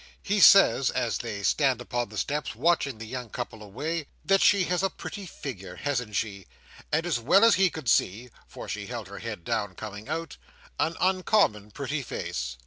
He says, as they stand upon the steps watching the young couple away, that she has a pretty figure, hasn't she, and as well as he could see (for she held her head down coming out), an uncommon pretty face.